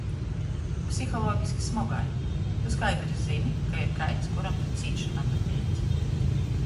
Psihologiski smogai – tu skaidri zyni, ka ir kaids, kuram tu cīši napateic.